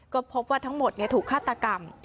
ก็พบว่าทั้งหมดถูกฆาตกรรม